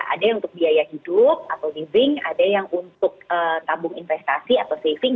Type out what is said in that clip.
ada yang untuk biaya hidup atau living ada yang untuk tabung investasi atau saving